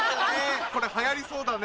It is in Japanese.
これ流行りそうだね。